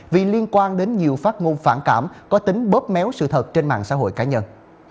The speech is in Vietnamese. vì liên quan đến nhiều phát ngôn phản cảm có tính bóp méo sự thật trên mạng xã hội cá nhân